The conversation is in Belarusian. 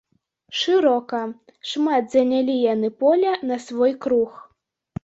Шырока, шмат занялі яны поля на свой круг.